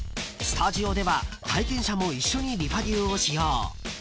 ［スタジオでは体験者も一緒にリファデュオを使用］